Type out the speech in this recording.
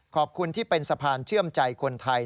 ขอบคุณที่เป็นสะพานเชื่อมใจคนไทย